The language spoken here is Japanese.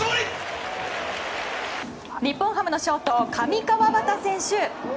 日本ハムのショート上川畑選手。